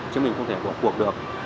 chứ mình không thể buộc cuộc được